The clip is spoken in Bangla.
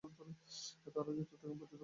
তার রাজ্য চট্টগ্রাম পর্যন্ত প্রসারিত ছিল।